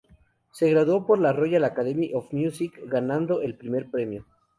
Se graduó por la Royal Academy of Music, ganando el primer premio.